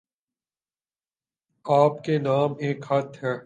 آپ کے نام ایک خط ہے